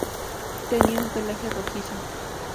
Tenía un pelaje rojizo.